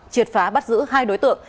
triệt phá bắt giữ hai đối tượng